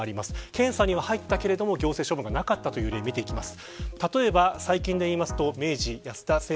検査には入ったけれど行政処分はなかった例を見ていきます。